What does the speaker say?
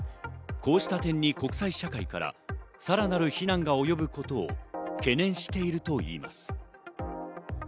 こうした点に国際社会からさらなる非難が及ぶことを懸念しているといいます。